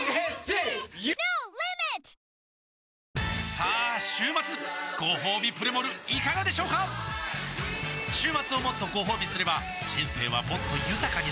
さあ週末ごほうびプレモルいかがでしょうか週末をもっとごほうびすれば人生はもっと豊かになる！